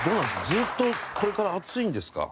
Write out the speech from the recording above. ずっとこれから暑いんですか？